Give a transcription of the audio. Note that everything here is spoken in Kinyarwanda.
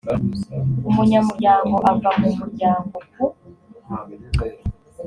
umunyamuryango ava mu muryango ku